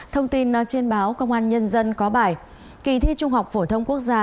thông tin trên báo công an nhân dân có bài kỳ thi trung học phổ thông quốc gia